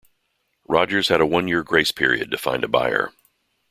Rogers had a one-year grace period to find a buyer.